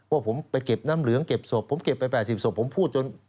ว่าผมไปเก็บน้ำเหลืองเก็บศพผมเก็บไป๘๐ศพผมพูดจน